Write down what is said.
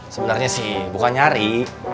sebenarnya sih bukan nyari